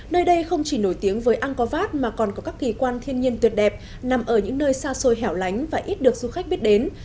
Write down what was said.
nơi đây không chỉ nổi tiếng với ankavat mà còn có các kỳ quan thiên nhiên tuyệt đẹp nằm ở những nơi xa xôi hẻo lánh và ít được du khách biết đến